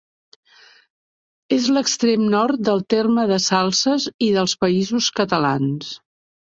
És l'extrem nord del terme de Salses i dels Països Catalans.